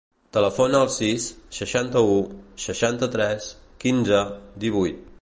Telefona al sis, seixanta-u, seixanta-tres, quinze, divuit.